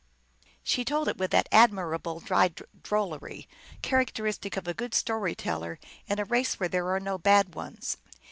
She told it with that admirable dry drollery, characteristic of a good story teller in a race where there are no bad ones.